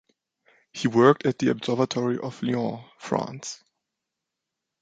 He worked at the Observatory of Lyon, France.